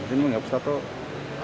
ini menghapus tattoo